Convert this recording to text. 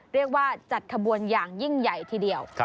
เรียกว่าจัดขบวนอย่างยิ่งใหญ่ทีเดียว